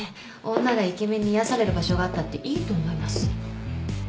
女がイケメンに癒やされる場所があったっていいと思います。